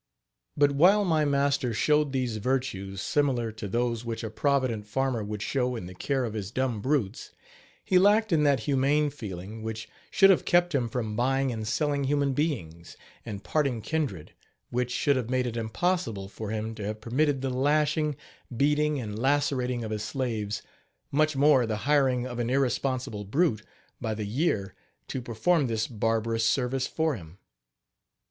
But while my master showed these virtues, similar to those which a provident farmer would show in the care of his dumb brutes, he lacked in that humane feeling which should have kept him from buying and selling human beings and parting kindred which should have made it impossible for him to have permitted the lashing, beating and lacerating of his slaves, much more the hiring of an irresponsible brute, by the year, to perform this barbarous service for him.